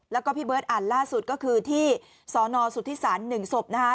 แล้วก็พี่เบิร์ตอ่านล่าสุดก็คือที่สนสุธิศาล๑ศพนะคะ